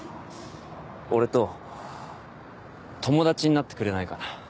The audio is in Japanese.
俺と友達になってくれないかな。